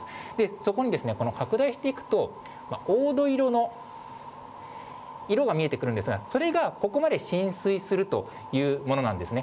そこに、この拡大していくと、黄土色の色が見えてくるんですが、それがここまで浸水するというものなんですね。